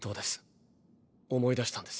思い出したんです。